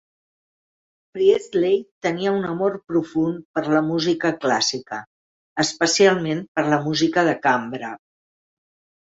Priestley tenia un amor profund per la música clàssica, especialment per la música de cambra.